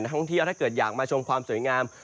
ท่องเที่ยวถ้าเกิดอยากมาชมความสวยงาม